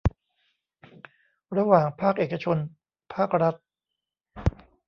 ระหว่างภาคเอกชนภาครัฐ